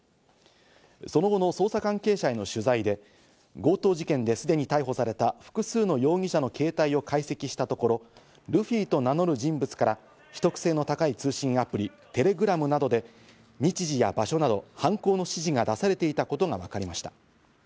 その後の捜査関係者への取材で、強盗事件ですでに逮捕された複数の容疑者の携帯を解析したところ、ルフィと名乗る人物から秘匿性の高い通信アプリ・テレグラムなどで、日時や場所など犯行の指示が出されていたことがわかりました。